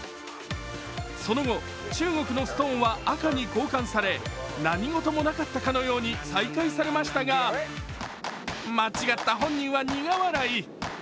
その後、中国のストーンは赤に交換され、何事もなかったかのように再開されましたが間違った本人は苦笑い。